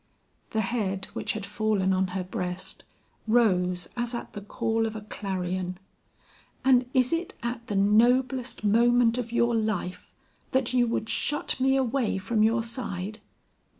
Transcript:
The head which had fallen on her breast, rose as at the call of a clarion. "And is it at the noblest moment of your life that you would shut me away from your side?